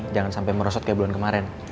jangan sampai merosot kayak bulan kemarin